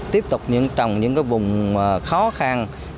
tiếp tục trồng những vùng khó khăn